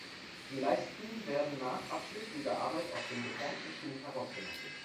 Die Leisten werden nach Abschluss dieser Arbeiten aus dem geformten Schuh herausgenommen.